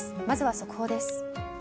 まずは速報です。